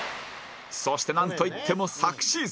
そしてなんといっても昨シーズン